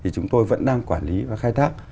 chúng tôi vẫn đang quản lý và khai thác